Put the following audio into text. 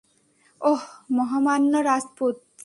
ওহ, মহামান্য রাজপুত্র।